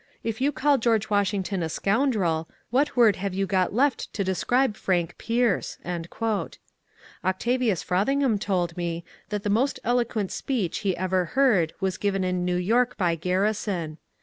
If you call Greorge Washington a sooondrel, what word have you got left to describe Frank Pierce?" Ootayius Frothingham told me that the most eloquent speech he ever heard was given in New York by Garrison.